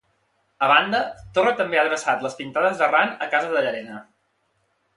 A banda, Torra també ha adreçat les pintades d'Arran a casa de Llarena.